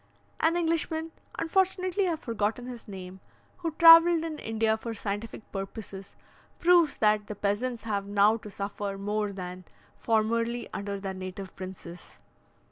An Englishman (unfortunately I have forgotten his name) who travelled in India for scientific purposes, proves that the peasants have now to suffer more than formerly under their native princes.